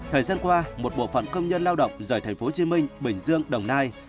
thời gian qua một bộ phận công nhân lao động rời thành phố hồ chí minh bình dương đồng nai